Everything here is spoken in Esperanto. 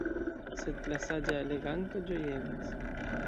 Sed la „saĝa“ leganto ĝojegas.